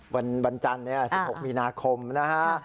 วันบรรจันทร์นี้๑๖มีนาคมนะครับ